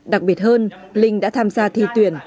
đặc biệt hơn linh đã tham gia thi tuyển